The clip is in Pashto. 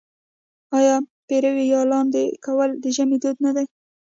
آیا پېروی یا لاندی کول د ژمي دود نه دی؟